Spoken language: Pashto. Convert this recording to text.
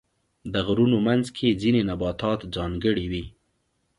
د غرونو منځ کې ځینې نباتات ځانګړي وي.